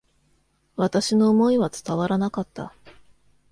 私の思いは伝わらなかった。